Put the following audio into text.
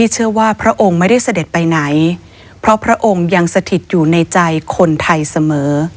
พระองค์ไม่ได้เสด็จไปไหนเพราะพระองค์ยังสถิตอยู่ในใจคนไทยเสมอ